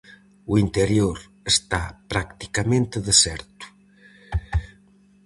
O interior está practicamente deserto.